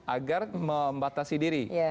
agar membatasi diri